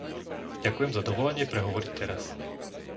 Ďakujem za dovolenie prehovoriť teraz.